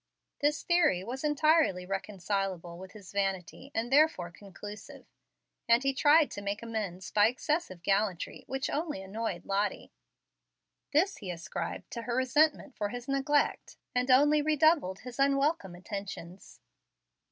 This theory was entirely reconcilable with his vanity, and therefore conclusive; and he tried to make amends by excessive gallantry, which only annoyed Lottie. This he ascribed to her resentment for his neglect, and only redoubled his unwelcome attentions.